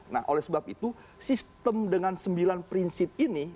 nah oleh sebab itu sistem dengan sembilan prinsip ini